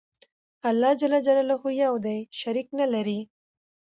الله ج يو دى شريک نلري